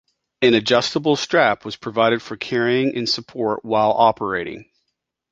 An adjustable strap was provided for carrying and support while operating.